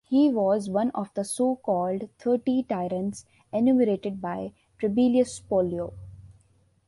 He was one of the so-called Thirty Tyrants enumerated by Trebellius Pollio.